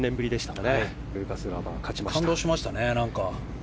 感動しましたね